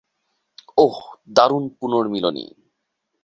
ওহ, দারুণ পুণর্মিলনী।